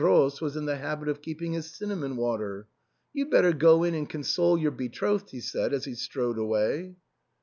the oflSce where Heir Roos was in the habit of keeping his cinnamon water. " You'd better go in and console your betrothed," he said as he strode away.